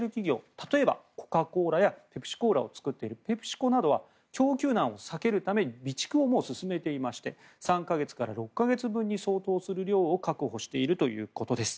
例えば、コカ・コーラやペプシコーラを作っているペプシコなどは供給難を避けるため備蓄をもう進めていまして３か月から６か月分に相当する量を確保しているということです。